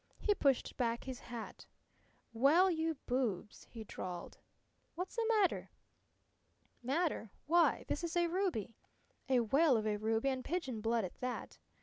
He pushed back his hat. "Well, you boobs!" he drawled. "What's the matter?" "Matter? Why, this is a ruby! A whale of a ruby, an' pigeon blood at that!